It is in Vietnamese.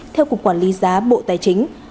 theo cục quản lý giá bộ tài chính